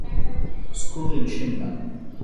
School in Shimla.